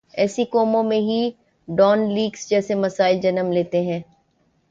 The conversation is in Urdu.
ایسی قوموں میں ہی ڈان لیکس جیسے مسائل جنم لیتے ہیں۔